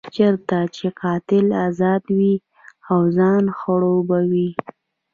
چېرته چې قاتل ازاد وي او ځان خړوبوي.